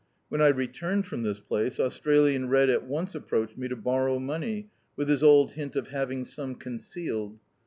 When I re turned from this place, Australian Red at once ap* proached me to borrow money, with his old hint of having some concealed.